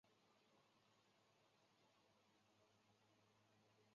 未公开